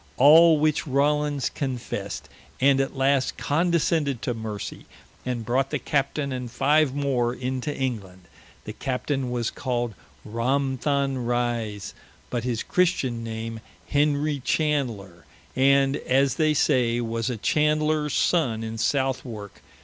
All which Rawlins confessed, and at last condescended to mercy, and brought the Captaine and five more into England. The Captain was called Ramtham Rise, but his Christen name, Henry Chandler, and as they say, was a Chandler's sonne in Southwarke.